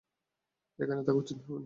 এখানে থাকা উচিত হবে না।